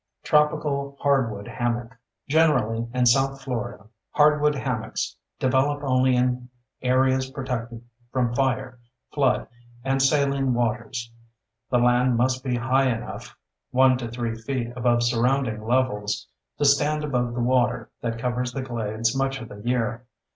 Tropical Hardwood Hammock Generally, in south Florida, hardwood hammocks develop only in areas protected from fire, flood, and saline waters. The land must be high enough (1 to 3 feet above surrounding levels) to stand above the water that covers the glades much of the year.